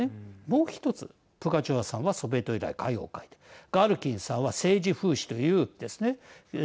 もう１つ、プガチョワさんはソビエト以来、歌謡界でガルキンさんは政治風刺というですね